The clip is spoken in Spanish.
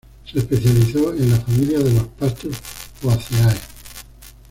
Se especializó en la familia de los pastos Poaceae.